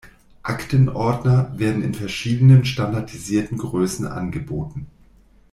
Aktenordner werden in verschiedenen standardisierten Größen angeboten.